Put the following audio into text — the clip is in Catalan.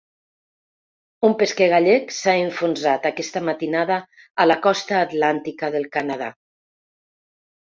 Un pesquer gallec s’ha enfonsat aquesta matinada a la costa atlàntica del Canadà.